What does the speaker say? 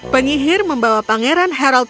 pengihir membawa pangeran harold